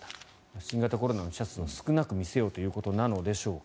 新型コロナの死者数を少なく見せようということなのでしょうか。